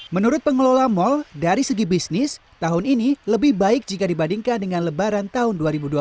menurut pengelola mal dari segi bisnis tahun ini lebih baik jika dibandingkan dengan lebaran tahun dua ribu dua puluh